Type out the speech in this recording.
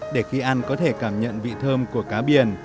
để khi ăn có thể cảm nhận vị thơm của cá biển